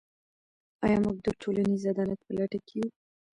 آیا موږ د ټولنیز عدالت په لټه کې یو؟